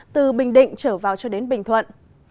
từ bình định trở vào cho đến bình thuận